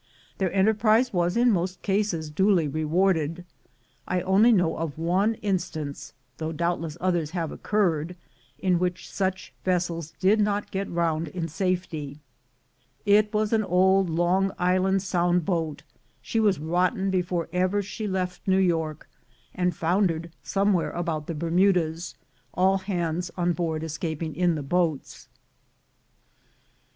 Their enterprise was in most cases duly rewarded. I only know of one instance — though doubtless others have occurred — in which such vessels did not get round in safety: it was an old Long Island Sound boat; she was rotten before ever she left New York, and foundered somewhere about the Bermudas, all hands on board escaping in the boats.